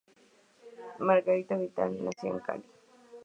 Margarita Vidal nació en Cali.